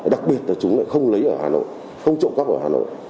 đặc biệt là chúng lại không lấy ở hà nội không trộm cắp ở hà nội